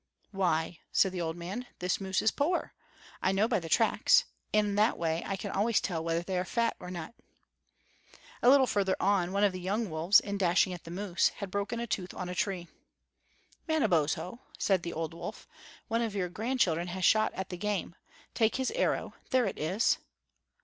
"Why," said the old wolf, "this moose is poor. I know by the tracks; in that way I can always tell whether they are fat or not." A little farther on, one of the young wolves, in dashing at the moose, had broken a tooth on a tree. "Manabozho," said the old wolf, "one of your grandchildren has shot at the game. Take his arrow; there it is."